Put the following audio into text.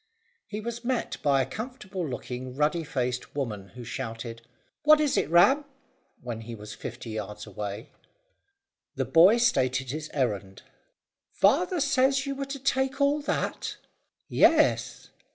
He was met by a comfortable looking, ruddy faced woman, who shouted, "What is it, Ram?" when he was fifty yards away. The boy stated his errand. "Father says you were to take all that?" "Yes."